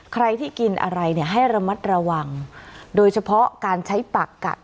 ใครที่กินอะไรเนี่ยให้ระมัดระวังโดยเฉพาะการใช้ปากกัด